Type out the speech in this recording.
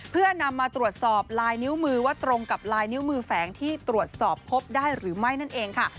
เพื่อนำมาตรวจสอบลายนิ้วมือว่าตรงกับลายนิ้วมือแฝงที่ตรวจสอบพบได้หรือไม่นั่นเองค่ะ